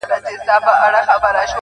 پر ما خوښي لكه باران را اوري